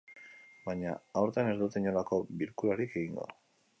Baina, aurten ez dute inolako bilkurarik egingo.